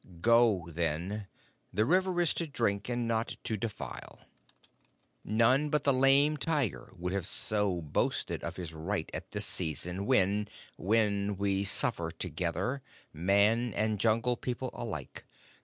"Go, then. The river is to drink, and not to defile. None but the Lame Tiger would so have boasted of his right at this season when when we suffer together Man and Jungle People alike.